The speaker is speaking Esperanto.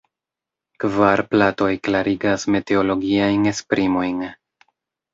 Kvar platoj klarigas meteologiajn esprimojn.